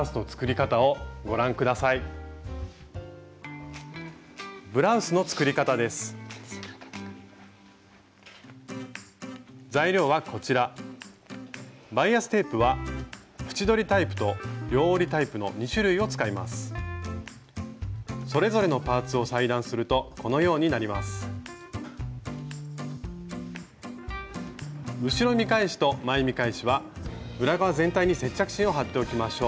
後ろ身返しと前見返しは裏側全体に接着芯を貼っておきましょう。